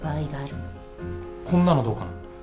こんなのどうかな？